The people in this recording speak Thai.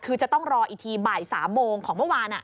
คือจะต้องรออีกทีบ่าย๓โมงของเมื่อวาน